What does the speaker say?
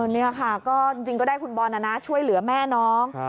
นี่ค่ะก็จริงก็ได้คุณบอลนะช่วยเหลือแม่น้อง